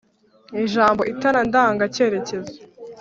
Ijambo "itara ndanga-cyerekezo”